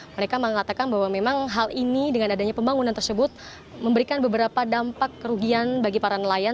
mereka mengatakan bahwa memang hal ini dengan adanya pembangunan tersebut memberikan beberapa dampak kerugian bagi para nelayan